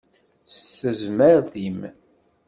S tezmert-im!